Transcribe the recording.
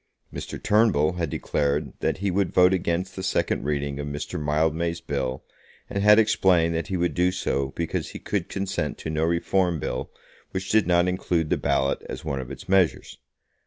Mr. Turnbull had declared that he would vote against the second reading of Mr. Mildmay's bill, and had explained that he would do so because he could consent to no Reform Bill which did not include the ballot as one of its measures.